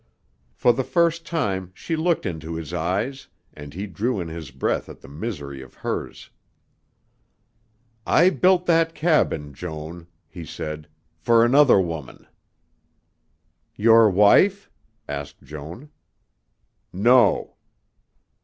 For the first time she looked into his eyes and he drew in his breath at the misery of hers. "I built that cabin, Joan," he said, "for another woman." "Your wife?" asked Joan. "No."